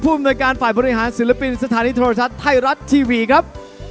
อำนวยการฝ่ายบริหารศิลปินสถานีโทรทัศน์ไทยรัฐทีวีครับ